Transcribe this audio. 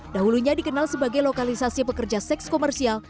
dahulunya dikenal sebagai lokalisasi pekerja seks komersial